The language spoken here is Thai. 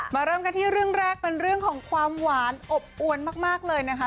เริ่มกันที่เรื่องแรกเป็นเรื่องของความหวานอบอวนมากเลยนะคะ